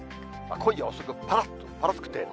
今夜遅く、ぱらっぱらっとぱらつく程度。